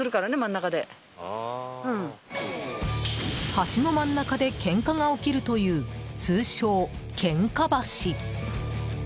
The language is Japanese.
橋の真ん中でケンカが起きるという通称ケンカ橋。